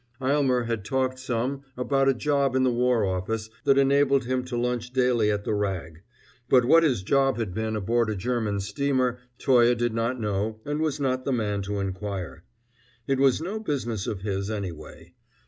Aylmer had talked some about a job in the war office that enabled him to lunch daily at the Rag; but what his job had been aboard a German steamer Toye did not know and was not the man to inquire. It was no business of his, anyway.